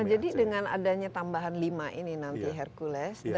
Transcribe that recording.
nah jadi dengan adanya tambahan lima ini nanti hercules